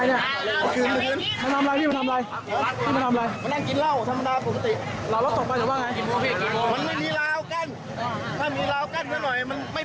นี่มันทำอะไรมันเนื่องกินเง้อธรรมดาผสมติ